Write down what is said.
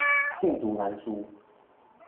罄竹難書